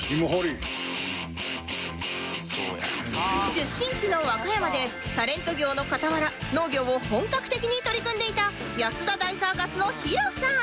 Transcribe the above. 出身地の和歌山でタレント業の傍ら農業を本格的に取り組んでいた安田大サーカスの ＨＩＲＯ さん